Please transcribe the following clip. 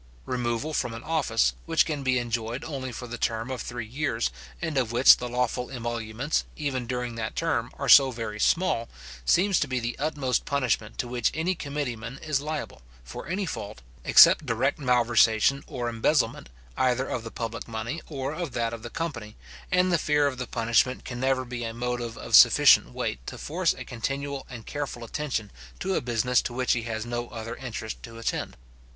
Removal from an office, which can be enjoyed only for the term of three years, and of which the lawful emoluments, even during that term, are so very small, seems to be the utmost punishment to which any committee man is liable, for any fault, except direct malversation, or embezzlement, either of the public money, or of that of the company; and the fear of the punishment can never be a motive of sufficient weight to force a continual and careful attention to a business to which he has no other interest to attend.